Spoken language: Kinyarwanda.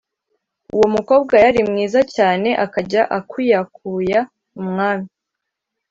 Uwo mukobwa yari mwiza cyane, akajya akuyakuya umwami